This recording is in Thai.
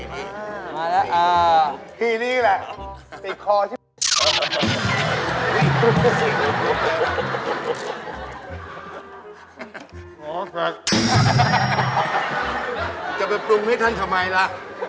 ชัยแปรนด์ไปฟรูมให้ท่านทำไมล่ะ